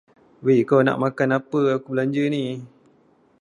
Wei, kau nak makan apa aku belanja ni.